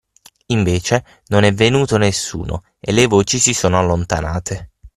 Invece, non è venuto nessuno e le voci si sono allontanate.